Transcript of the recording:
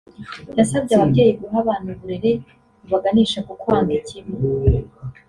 yasabye ababyeyi guha abana uburere bubaganisha ku kwanga ikibi